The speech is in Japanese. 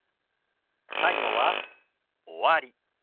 最後は「終わり」。